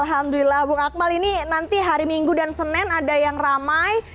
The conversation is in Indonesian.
alhamdulillah bung akmal ini nanti hari minggu dan senin ada yang ramai